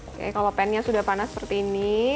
oke kalau pannya sudah panas seperti ini